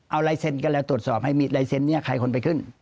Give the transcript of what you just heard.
เอาลายเซ็นต์กันแล้วตรวจสอบให้มีลายเซ็นต์นี้ใครคนไปขึ้น